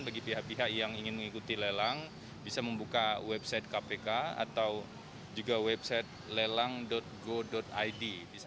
bagi pihak pihak yang ingin mengikuti lelang bisa membuka website kpk atau juga website lelang go id